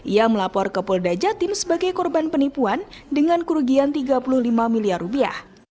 ia melapor ke polda jatim sebagai korban penipuan dengan kerugian tiga puluh lima miliar rupiah